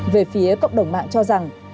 về phía cộng đồng mạng cho rằng